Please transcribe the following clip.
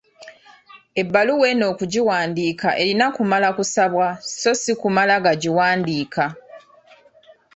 Ebbaluwa eno okugiwandiika erina kumala kusabwa so si kumala gagiwandiika.